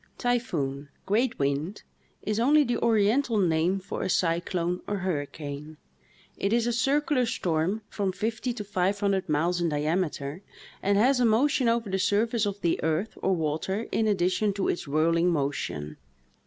" Typhoon " (great wind) is only the oriental name for a cyclone or hurricane; it is a circular storm from fifty to five hundred miles in diameter, and has a motion over the surface of the earth or water in addition to its whirling motion.